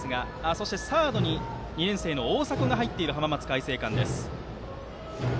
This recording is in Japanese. そして、サードに２年生の大迫が入っている浜松開誠館。